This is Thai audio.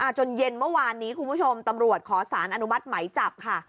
จนเย็นเมื่อวานนี้คุณผู้ชมตำรวจขอสารอนุมัติไหมจับค่ะ